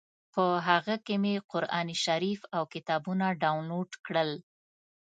په هغه کې مې قران شریف او کتابونه ډاونلوډ کړل.